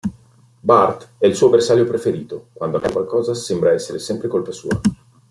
Bart è il suo bersaglio preferito: quando accade qualcosa sembra essere sempre colpa sua.